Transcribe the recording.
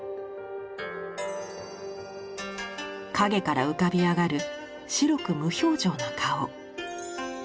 影から浮かび上がる白く無表情な顔。